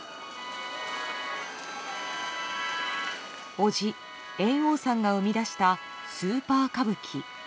伯父・猿翁さんが生み出したスーパー歌舞伎。